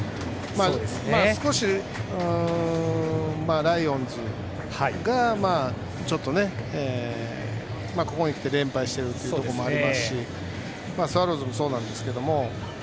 少し、ライオンズがここに来て連敗してるというのもありますしスワローズもそうなんですけど。